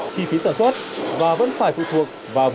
chi phí sản xuất và vẫn phải phụ thuộc